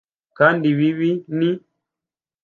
kandi ibibi ni